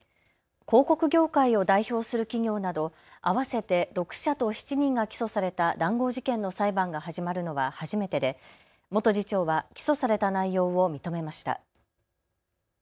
広告業界を代表する企業など合わせて６社と７人が起訴された談合事件の裁判が始まるのは初めてで元次長は起訴された内容を認めました。